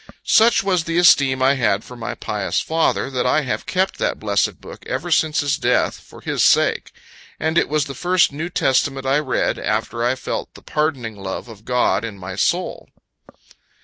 Such was the esteem I had for my pious father, that I have kept that blessed book ever since his death, for his sake; and it was the first New Testament I read, after I felt the pardoning love of God in my soul.